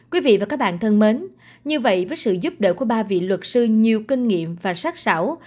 quý vị và các bạn thân mến như vậy với sự giúp đỡ của ba vị luật sư nhiều kinh nghiệm và sát xảo